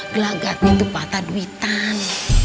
gelagat gitu patah duitan